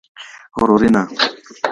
غرورینه